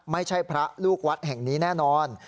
ไม่ใช่พระลูกวัดแห่งนี้แน่นอน